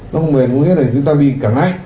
nó không bền có nghĩa là chúng ta bị cảm lạnh